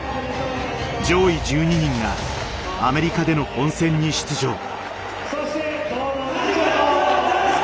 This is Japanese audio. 上位１２人がアメリカでの本戦に出場。